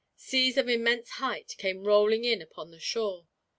Seas of immense height came rolling in upon the shore.